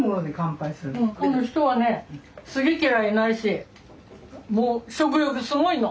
この人はね好き嫌いないしもう食欲すごいの。